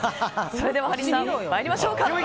ではハリーさん参りましょう。